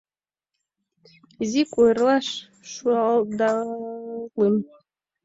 Изи куэрлаш шуылдальым.